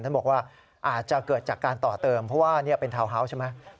ท่านบอกว่าอาจจะเกิดจากการต่อเติมเพราะว่าเป็นทาวน์ฮาวส์ใช่ไหม